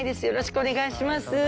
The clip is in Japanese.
よろしくお願いします。